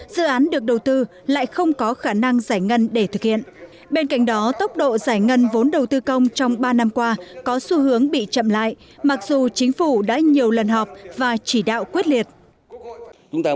dự án được đầu tư lại không có khả năng giải ngân để thực hiện bên cạnh đó tốc độ giải ngân vốn đầu tư công trong ba năm qua có xu hướng bị chậm lại mặc dù chính phủ đã nhiều lần họp và chỉ đạo quyết liệt